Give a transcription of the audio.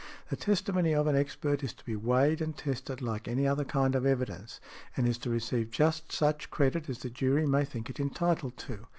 The testimony of an expert is to be weighed and tested like any other kind of evidence, and is to receive just such credit as the jury may think it entitled to.